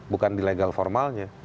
bukan di legal formalnya